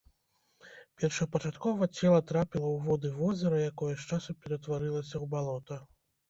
Першапачаткова цела трапіла ў воды возера, якое з часам ператварылася ў балота.